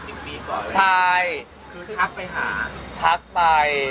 คือทักไปหา